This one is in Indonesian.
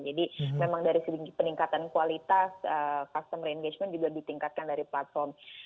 jadi memang dari peningkatan kualitas customer engagement juga ditingkatkan dari platform